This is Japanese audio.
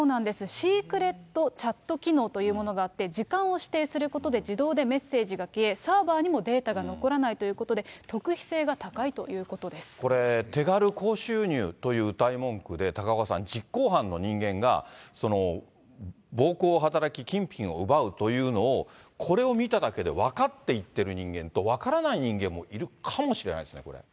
シークレットチャット機能というものがあって、時間を指定することで、自動でメッセージが消え、サーバーにもデータが残らないということで、これ、手軽、高収入といううたい文句で、高岡さん、実行犯の人間が、暴行を働き、金品を奪うというのを、これを見ただけで分かっていってる人間と、分からない人間もいるかもしれないですね、これ。